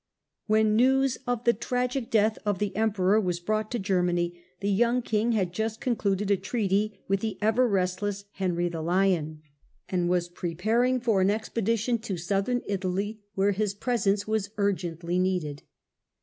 When news of the tragic death of the Emperor was brought to Germany, the young king had just concluded a treaty with the ever restless Henry the Lion (see p. 168), and was preparing for an expedition to 172 HENRY VI. AND INNOCENT III. 173 southern Italy, where his presence was urgently needed.